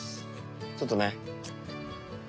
ちょっとね。